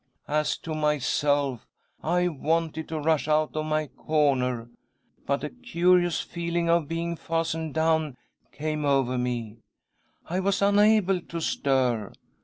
As to myself, I wanted to rush out of my corner ; but a curious feeling of being fastened down came over me. I was unable to stir.